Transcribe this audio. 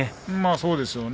そうですね。